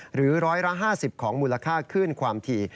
หรือ๑๕๐ของมูลค่าขึ้นความถี่